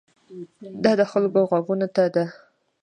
دا د خلکو غوږونو ته ده.